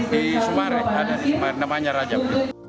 di sumaret ada namanya rajab